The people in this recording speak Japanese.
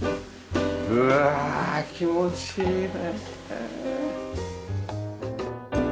うわあ気持ちいいねえ。